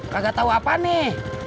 kagak tau apa nih